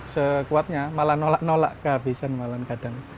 sekuatnya malah nolak nolak kehabisan malahan kadang